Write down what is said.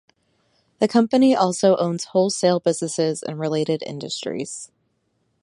The company also owns wholesale businesses in related industries.